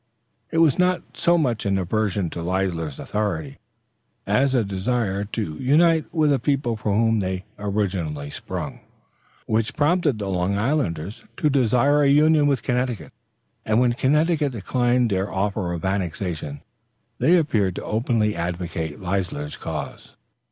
It was not so much an aversion to Leisler's authority, as a desire to unite with a people from whom they had originally sprung, which prompted the Long Islanders to desire a union with Connecticut, and when Connecticut declined their offer of annexation, they appeared to openly advocate Leisler's cause.